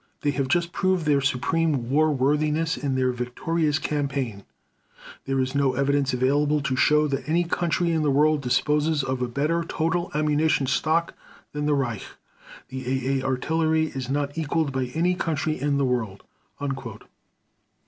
They have just proved their supreme war worthiness in their victorious campaign .... There is no evidence available to show that any country in the world disposes of a better total ammunition stock than the Reich .... The A. A. artillery is not equalled by any country in the world."